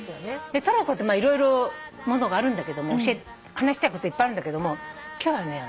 トルコって色々ものがあるんだけども話したいこといっぱいあるんだけども今日はね